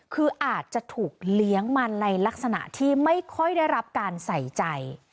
คืออาจจะถูกเลี้ยงมาในลักษณะที่ไม่ค่อยได้รับการใส่ใจ